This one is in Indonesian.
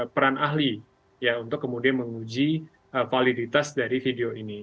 peran ahli ya untuk kemudian menguji validitas dari video ini